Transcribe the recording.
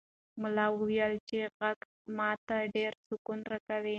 ملا وویل چې غږ ماته ډېر سکون راکوي.